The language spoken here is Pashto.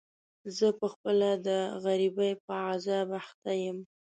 زه په خپله د غريبۍ په عذاب اخته يم.